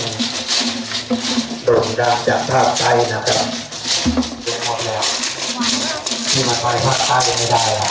ดนตามจากภาพใต้นะครับยกพร้อมแล้วที่มันไปพักต้ายยังไม่ได้อ่ะ